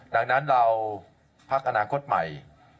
ดังนั้นเราพักอนาคตใหม่